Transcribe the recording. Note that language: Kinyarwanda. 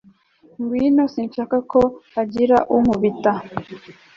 ngwino, sinshaka ko hagira unkubita